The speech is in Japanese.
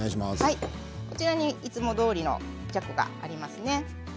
こちらにいつもどおりのじゃこがあります。